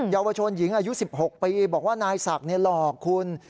เยาวชนหญิงอายุ๑๖ปีบอกว่านายศักดิ์หลอกคุณ